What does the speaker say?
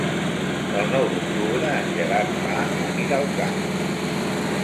El nou d'octubre en Gerard va a Miralcamp.